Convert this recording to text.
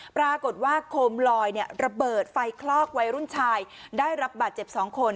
ปรากฏว่าโคมลอยระเบิดไฟคลอกวัยรุ่นชายได้รับบาดเจ็บ๒คน